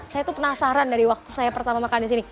saya tuh penasaran dari waktu saya pertama makan di sini